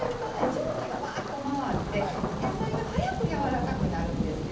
蒸気がわっと回って野菜がはやく柔らかくなるんですよ。